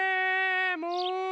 もう！